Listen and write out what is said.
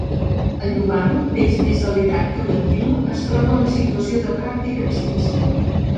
El llobarro, peix més delicat que l'anguila, es troba en situació de pràctica extinció.